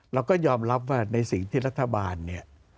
เราก็ยอมรับว่าในสิ่งที่รัฐบาลเนี่ย